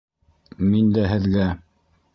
Мин дә һеҙгә...